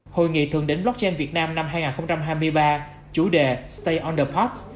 hội nghị thượng đếm blockchain việt nam năm hai nghìn hai mươi ba chủ đề stay on the pops